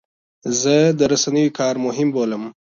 زه د رسنیو کار مهم بولم.